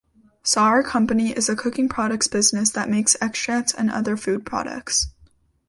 Sauer Company is a cooking products business that makes extracts and other food products.